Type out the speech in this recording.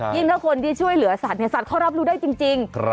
ยิ่งเถอะคนที่ช่วยเหลือสัตว์สัตว์เขารับรู้ด้วยจริง